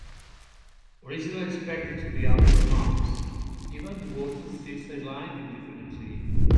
Originally expected to be out for a month, Evans was instead sidelined indefinitely.